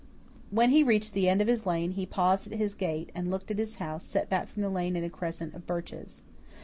When he reached the end of his lane, he paused at his gate, and looked at his house, set back from the lane in a crescent of birches.